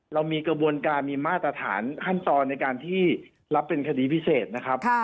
เรามีกระบวนการมีมาตรฐานขั้นตอนในการที่รับเป็นคดีพิเศษนะครับ